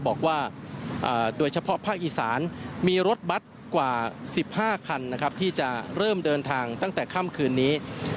บอกว่าโดยเฉพาะภาคอีสานมีรถบัตรกว่า๑๕คันนะครับที่จะเริ่มเดินทางตั้งแต่ค่ำคืนนี้